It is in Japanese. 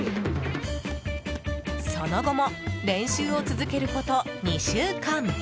その後も練習を続けること２週間。